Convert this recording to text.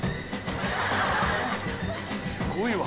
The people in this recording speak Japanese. ・すごいわ・